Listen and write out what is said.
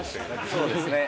そうですね